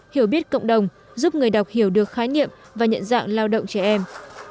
hiểu biết cộng đồng giúp người đọc hiểu được khái niệm và nhận dạng lao động trẻ em